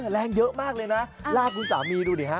แรงเยอะมากเลยนะลากคุณสามีดูดิฮะ